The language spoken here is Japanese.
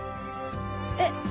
えっ？